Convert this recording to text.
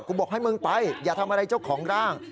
บอกให้มึงไปอย่าทำอะไรเจ้าของร่าง